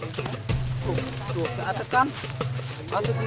itu mayatnya tuh bang